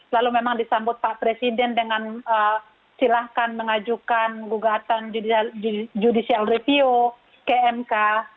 lalu memang disambut pak presiden dengan silahkan mengajukan gugatan judicial review ke mk